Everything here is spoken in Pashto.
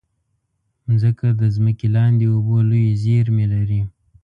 مځکه د ځمکې لاندې اوبو لویې زېرمې لري.